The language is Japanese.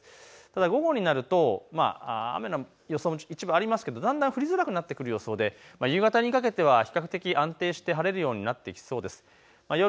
ただ午後になると雨の予想も一部ありますがだんだん降りづらくなってくる予想で夕方にかけては比較的安定して晴れるようになってきそうです。